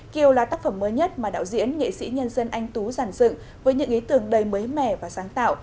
kiều là tác phẩm mới nhất mà đạo diễn nghệ sĩ nhân dân anh tú giản dựng với những ý tưởng đầy mới mẻ và sáng tạo